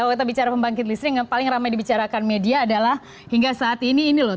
waktu kita bicara pembangkit listrik yang paling ramai dibicarakan media adalah hingga saat ini ini loh tiga puluh lima mw